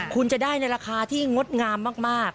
คุณจะได้ในราคาที่งดงามมาก